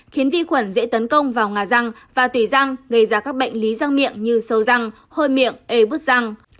khiến vi khuẩn dễ tấn công vào ngà răng và tùy răng gây ra các bệnh lý răng miệng như sâu răng hôi miệng e bứt răng